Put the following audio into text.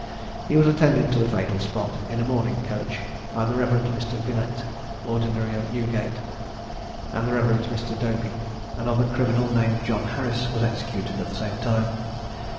He was attended to the fatal spot, in a mourning coach, by the Rev. Mr. Villette, Ordinary of Newgate, and the Rev. Mr. Dobey. Another criminal, named John Harris, was executed at the same time.